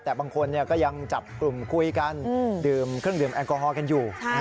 แต่บางคนก็ยังจับกลุ่มคุยกันดื่มเครื่องดื่มแอลกอฮอลกันอยู่